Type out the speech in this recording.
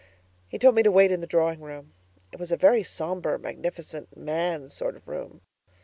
He told me to wait in the drawing room. It was a very sombre, magnificent, man's sort of room.